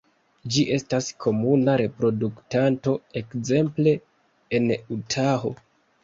Ĝi estas komuna reproduktanto ekzemple en Utaho.